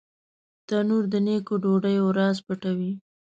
تنور د نیکو ډوډیو راز پټوي